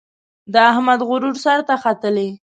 د احمد غرور سر ته ختلی.